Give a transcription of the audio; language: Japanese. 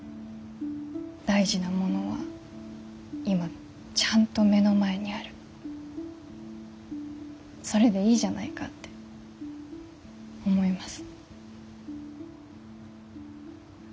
大事なものは今ちゃんと目の前にあるそれでいいじゃないかって思います。